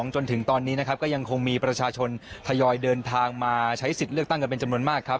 จนถึงตอนนี้นะครับก็ยังคงมีประชาชนทยอยเดินทางมาใช้สิทธิ์เลือกตั้งกันเป็นจำนวนมากครับ